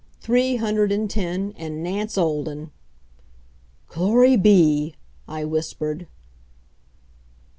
Three hundred and ten, and Nance Olden! "Glory be!" I whispered.